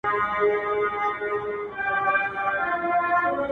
ښکلي آواز دي زما سړو وینو ته اور ورکړی-